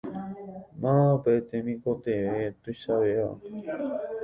Mávapa pe temikotevẽ tuichavéva?